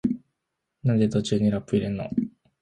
なんで途中にラップ入れんの？